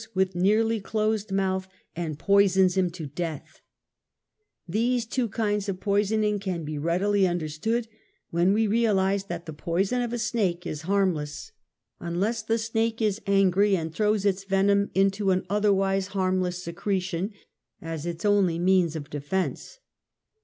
with nearly closed mouth and poisons him to death/ These two kinds of poisoning can be readily under stood when we realize that the poison of a snake is harmless, unless the snake is angry and throws its venom into an otherwise harmless secretion, (as its only means of defense.)